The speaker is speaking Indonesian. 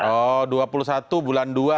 oh dua puluh satu bulan dua